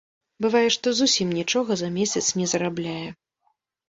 Бывае, што зусім нічога за месяц не зарабляе!